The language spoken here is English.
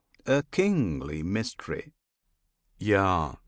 a Kingly mystery! Yea!